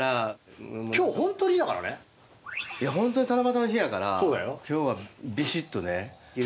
ホントに七夕の日やから今日はびしっとね。